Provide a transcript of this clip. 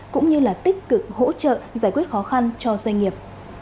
cũng như là tích cực hỗ trợ giải quyết khó khăn cho doanh nghiệp